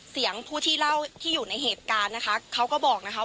ผู้ที่เล่าที่อยู่ในเหตุการณ์นะคะเขาก็บอกนะคะ